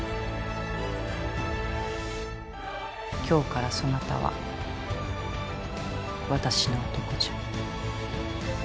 今日からそなたは私の男じゃ。